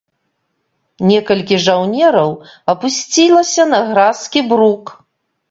Некалькі жаўнераў апусцілася на гразкі брук.